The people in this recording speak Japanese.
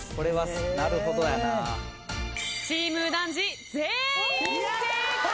チーム右團次全員正解。